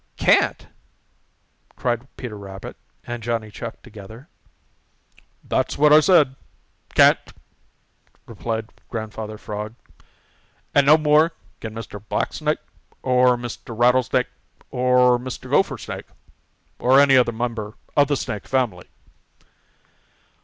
"Can't!" cried Peter Rabbit and Johnny Chuck together. "That's what I said can't," replied Grandfather Frog. "And no more can Mr. Blacksnake, or Mr. Rattlesnake, or Mr. Gophersnake, or any other member of the Snake family."